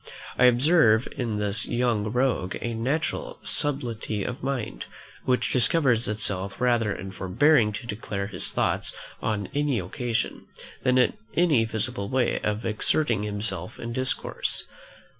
I observe in the young rogue a natural subtlety of mind, which discovers itself rather in forbearing to declare his thoughts on any occasion, than in any visible way of exerting himself in discourse.